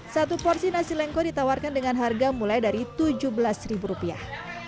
satu porsi nasi lengko ditawarkan dengan harga mulai dari tujuh belas ribu rupiah